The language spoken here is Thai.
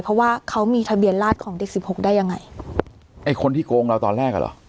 เพราะว่าเขามีทะเบียนราชของเด็กสิบหกได้ยังไงไอ้คนที่โกงเราตอนแรกอ่ะเหรอ